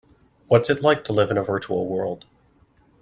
What's it like to live in a virtual world?